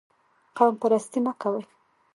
قوم پرستي مه کوئ